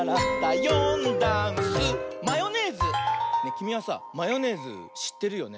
きみはさマヨネーズしってるよね？